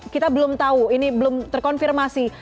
kita belum tahu ini belum terkonfirmasi